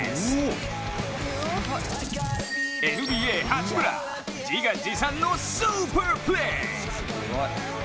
ＮＢＡ・八村、自画自賛のスーパープレー。